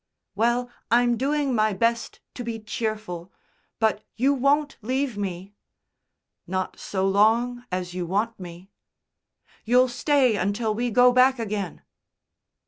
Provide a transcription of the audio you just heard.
"Well, I'm doing my best to be cheerful. But you won't leave me?" "Not so long as you want me." "You'll stay until we go back again!"